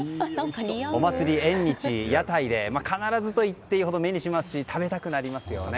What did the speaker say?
お祭り、縁日、屋台で必ずと言っていいほど目にしますし食べたくなりますよね。